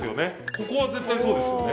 ここは絶対そうですよね？